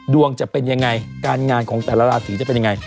จะเป็นยังไงการงานของแต่ละราศีจะเป็นยังไง